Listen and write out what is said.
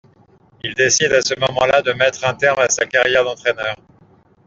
Il décide à ce moment-là de mettre un terme à sa carrière d’entraîneur.